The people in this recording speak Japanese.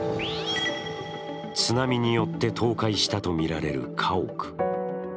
津波によって倒壊したとみられる家屋。